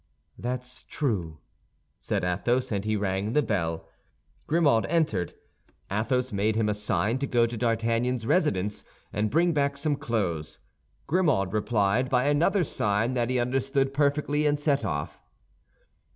"That's true," said Athos, and he rang the bell. Grimaud entered. Athos made him a sign to go to D'Artagnan's residence, and bring back some clothes. Grimaud replied by another sign that he understood perfectly, and set off.